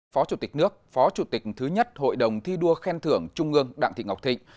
phó chủ tịch nước phó chủ tịch thứ nhất hội đồng thi đua khen thưởng trung ương đặng thị ngọc thịnh